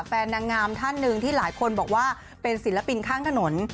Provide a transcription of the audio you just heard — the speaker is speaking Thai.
นางงามท่านหนึ่งที่หลายคนบอกว่าเป็นศิลปินข้างถนน